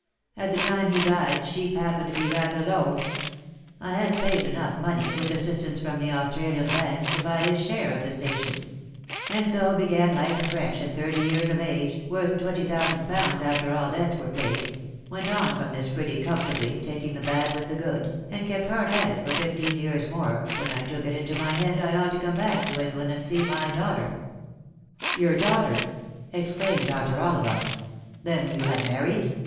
At the time he died sheep happened to be rather low ; I had saved enough money, with assistance from the Australian banks, to buy his share of the station; and so began life afresh at thirty years of age, worth twenty thousand pounds after all debts were paid — went on from this pretty com fortably, taking the bad with the good, and kept hard at it for fifteen years more, when I took it into my head I ought to come back to England and see my daughter." " Tour daughter! " exclaimed Dr. Ollivant. " Then you had married